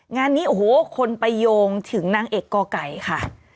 งานนี้โอ้โหคนไปโยงถึงนางเอกก่อไก่ค่ะ